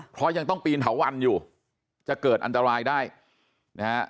เพราะยังต้องปีนเถาวันอยู่จะเกิดอันตรายได้นะฮะ